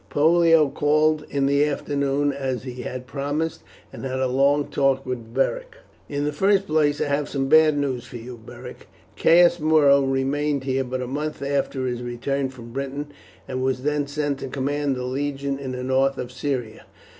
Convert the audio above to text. Pollio called in the afternoon, as he had promised, and had a long talk with Beric. "In the first place, I have some bad news for you, Beric. Caius Muro remained here but a month after his return from Britain, and was then sent to command the legion in the north of Syria."